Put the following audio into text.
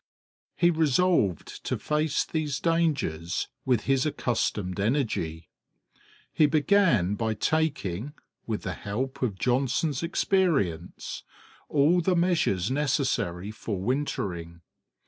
He resolved to face these dangers with his accustomed energy. He began by taking, with the help of Johnson's experience, all the measures necessary for wintering.